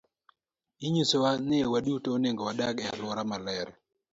Inyisowa ni waduto onego wadag e alwora maler.